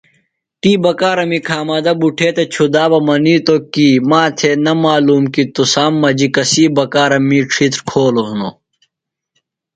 تی بکارمی کھامدہ بُٹھے تھےۡ چُھدا بہ منِیتوۡ کی ماتھےۡ نہ معلوم کی تُسام مجیۡ کسی بکارم می ڇِھیتر کھولوۡ ہِنوۡ۔